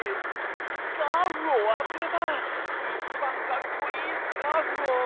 スカーフをわすれたいちばんかっこいいスカーフを。